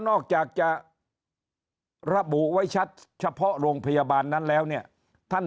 นอกจากจะระบุไว้ชัดเฉพาะโรงพยาบาลนั้นแล้วเนี่ยท่าน